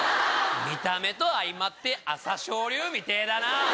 見た目と相まって朝青龍みてぇだな！